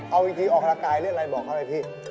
เอาจริงออกกำลังกายเล่นอะไรบอกเขาให้พี่